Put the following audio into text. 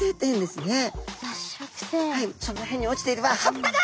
その辺に落ちていれば「葉っぱだ」。